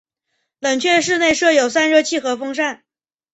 冷却室内设有散热器和风扇。